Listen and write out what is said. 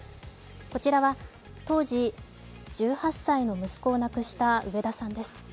こちらは当時１８歳の息子を亡くした上田さんです。